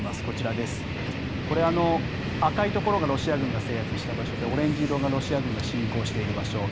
こちら、これは赤いところがロシア軍が制圧した場所でオレンジ色がロシア軍が侵攻している場所。